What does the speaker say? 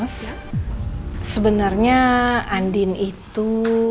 rose sebenarnya andien itu